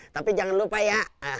tapi jangan lupa ya